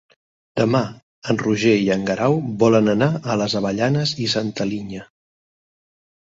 Demà en Roger i en Guerau volen anar a les Avellanes i Santa Linya.